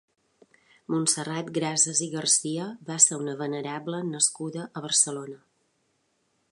Montserrat Grases i García va ser una venerable nascuda a Barcelona.